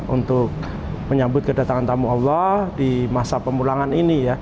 untuk menyambut kedatangan tamu allah di masa pemulangan ini ya